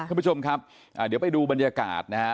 คุณผู้ชมครับเดี๋ยวไปดูบรรยากาศนะฮะ